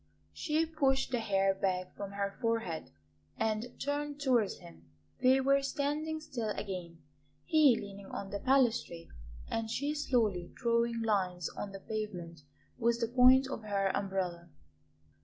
She pushed the hair back from her forehead and turned towards him. They were standing still again, he leaning on the balustrade and she slowly drawing lines on the pavement with the point of her umbrella.